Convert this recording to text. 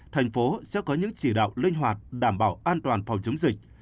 thành phố sẽ có những chỉ đạo linh hoạt đảm bảo an toàn phòng chống dịch